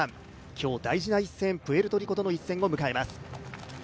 今日、大事な一戦、プエルトリコとの一戦を迎えます。